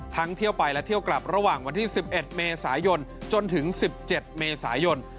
เที่ยวไปและเที่ยวกลับระหว่างวันที่๑๑เมษายนจนถึง๑๗เมษายน